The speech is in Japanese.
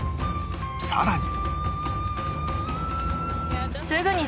さらに